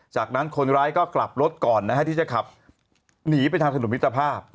จากนั้นคนร้ายก็กลับรถก่อนที่จะขับหนีไปทางถนนมิตรภาพ